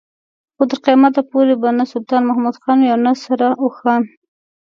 خو تر قيامت پورې به نه سلطان محمد خان وي او نه سره اوښان.